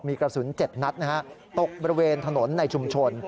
มีกระสุน๗นัดนะฮะตกบริเวณถนนในชุมชน